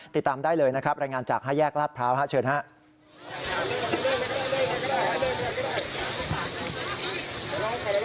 ติดตามได้เลยนะครับรายงานจาก๕แยกลาดพร้าวเชิญครับ